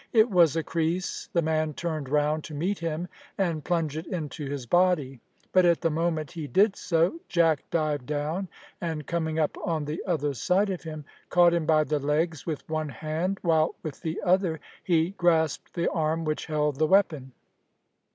It was a creese. The man turned round to meet him and plunge it into his body; but at the moment he did so Jack dived down, and coming up on the other side of him, caught him by the legs with one hand, while with the other he grasped the arm which held the weapon.